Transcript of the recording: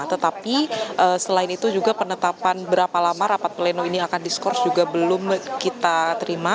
tetapi selain itu juga penetapan berapa lama rapat pleno ini akan diskors juga belum kita terima